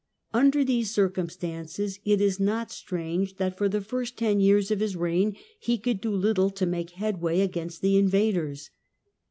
Under these circumstances it is not strange ;hat for the first ten years of his reign he could do little ;o make headway against the invaders.